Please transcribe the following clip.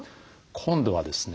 今度はですね